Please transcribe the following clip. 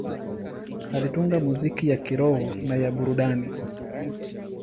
Alitunga muziki ya kiroho na ya burudani.